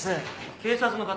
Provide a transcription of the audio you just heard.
警察の方？